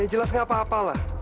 jelas gak apa apa lah